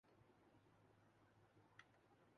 اس حوالے سے پرا مید ہے۔